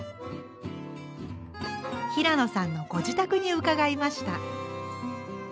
平野さんのご自宅に伺いました。